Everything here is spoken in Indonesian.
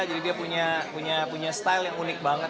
jadi dia punya style yang unik banget